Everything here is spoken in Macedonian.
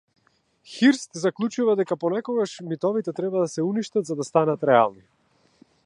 Хирст заклучува дека понекогаш митовите треба да се уништат за да станат реални.